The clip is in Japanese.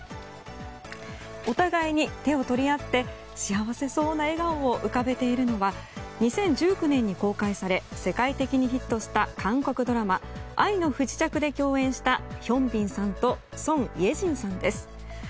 お互いに手を取り合って幸せそうな笑顔を浮かべているのは２０１９年に公開され世界的にヒットした韓国ドラマ「愛の不時着」で共演したヒョンビンさんとソン・イェジンさんです。